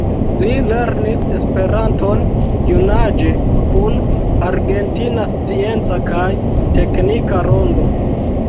Li lernis esperanton junaĝe kun Argentina Scienca kaj Teknika Rondo.